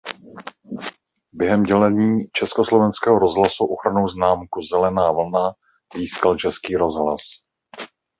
Během dělení Československého rozhlasu ochrannou známku "Zelená vlna" získal Český rozhlas.